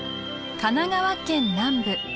神奈川県南部。